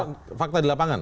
itu fakta di lapangan